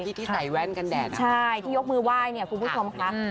ที่ที่ใส่แว่นกันแดดอ่ะใช่ที่ยกมือไหว้เนี่ยคุณผู้ชมค่ะ